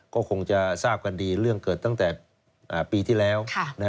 ก็คงจะทราบกันดีเรื่องเกิดตั้งแต่ปีที่แล้ว